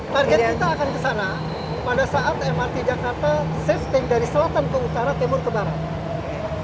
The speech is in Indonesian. target kita akan kesana pada saat mrt jakarta safe take dari selatan ke utara timur ke barat